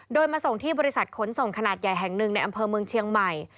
โดยมาส่งที่บริษัทขนส่งขนาดใหญ่แห่งหนึ่งในอำเภอเมืองเชียงใหม่